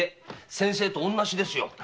先生と同じですよ。